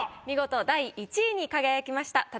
見事第１位に輝きました